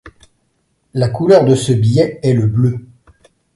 La couleur de ce billet est le bleu.